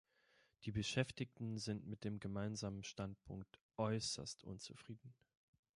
Die Beschäftigten sind mit dem gemeinsamen Standpunkt äußerst unzufrieden.